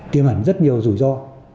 tiêm ẩn rất nhiều rủi ro